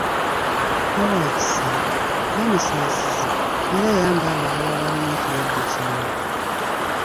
Ba wa kisa, ba musaasizi era yamba abo ababa balina ekirwadde kino.